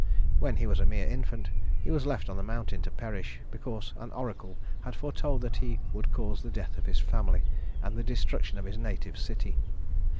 When he was a mere infant, he was left on the mountain to perish, because an oracle had foretold that he would cause the death of his family and the destruction of his native city.